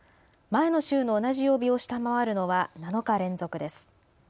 前の週の同じ曜日を下回るのは７日連続です。